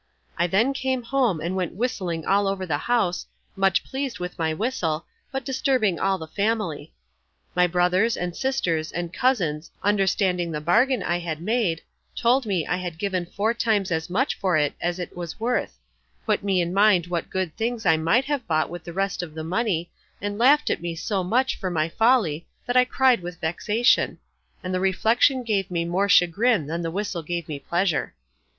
I then came home, and went whistling all over the house, much pleased with my whistle, but disturbing all the family. My brothers, and sisters, and cousins, understanding the bargain I had made, told me I had given four times as much for it as it was worth; put me in mind what good things I might have bought with the rest of the money; and laughed at me so much for my folly, that I cried with vexation; and the reflection gave me more chagrin than the whistle gave me pleasure.